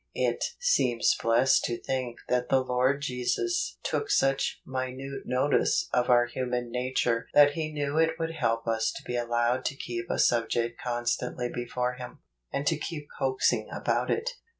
It seems blessed to think that the Lord Jesus took such minute notice of our human nature that he knew it would help us to be allowed to keep a subject constantly before Him, and to keep coaxing about it.